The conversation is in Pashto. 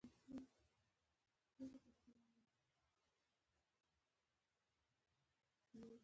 هغه مو حلال کړ، اوس یې خپل ملګری هېر نه دی.